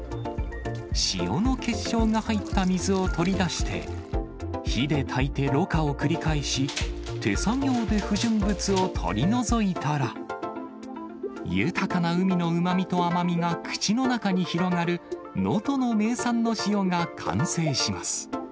塩の結晶が入った水を取り出して、火でたいてろ過を繰り返し、手作業で不純物を取り除いたら、豊かな海のうまみと甘みが口の中に広がる能登の名産の塩が完成します。